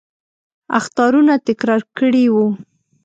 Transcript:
اخطارونه تکرار کړي وو.